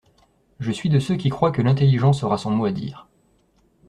Je suis de ceux qui croient que l’intelligence aura son mot à dire.